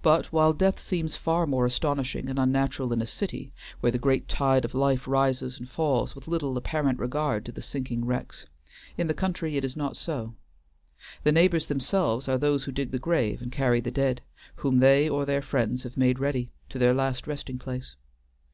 But while death seems far more astonishing and unnatural in a city, where the great tide of life rises and falls with little apparent regard to the sinking wrecks, in the country it is not so. The neighbors themselves are those who dig the grave and carry the dead, whom they or their friends have made ready, to the last resting place.